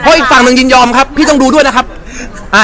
อีกฝั่งหนึ่งยินยอมครับพี่ต้องดูด้วยนะครับอ่า